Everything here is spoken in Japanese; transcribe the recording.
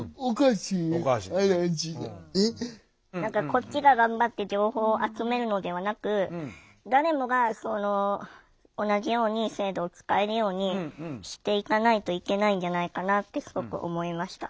こっちが頑張って情報を集めるのではなく誰もが同じように制度を使えるようにしていかないといけないんじゃないかなってすごく思いました。